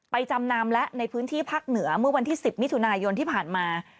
จำนำและในพื้นที่ภาคเหนือเมื่อวันที่๑๐มิถุนายนที่ผ่านมา